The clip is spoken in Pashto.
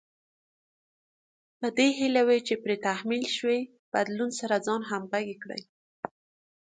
په دې هيله وي چې پرې تحمیل شوي بدلون سره ځان همغږی کړي.